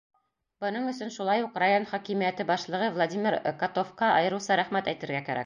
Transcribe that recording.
Бының өсөн шулай уҡ район хакимиәте башлығы Владимир Котовҡа айырыуса рәхмәт әйтергә кәрәк.